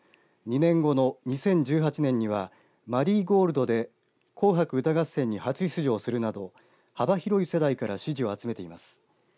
２年後の２０１８年にはマリーゴールドで紅白歌合戦に初出場するなど幅広い世代から支持を集めています。